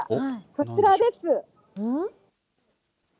こちらです。